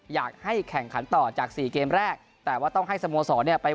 อยากให้แข่งขันต่อจากสี่เกมแรกแต่ว่าต้องให้สโมสรเนี่ยไป